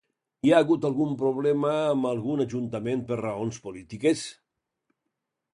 Hi ha hagut algun problema amb algun ajuntament per raons polítiques?